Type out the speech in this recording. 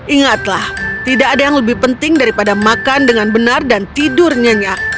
ingatlah tidak ada yang lebih penting daripada makan dengan benar dan tidur nyenyak